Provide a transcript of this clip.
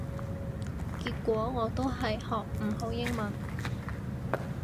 結果我都係學唔好英文